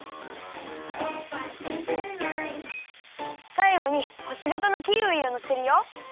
さいごにほしがたのキウイをのせるよ。